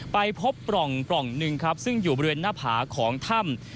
ไปพบปล่องหนึ่งครับซึ่งอยู่บริเวณหน้าผาของถ้ำ